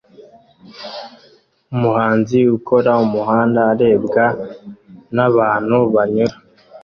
Umuhanzi ukora umuhanda arebwa nabantu banyura